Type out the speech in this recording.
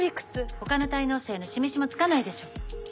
他の滞納者への示しもつかないでしょ。